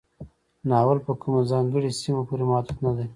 ناول په کومه ځانګړې سیمه پورې محدود نه دی.